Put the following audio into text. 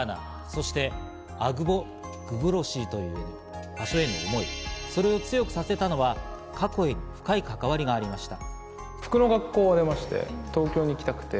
そしてアグボグブロシーという溢れる思い、それを強くさせたのは過去への深い関わりがありました。